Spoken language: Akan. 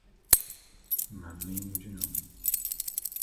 Ma mennwene ho